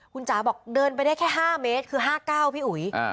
คุณจ๋าบอกเดินไปได้แค่๕เมตรคือ๕๙พี่อุ๋ย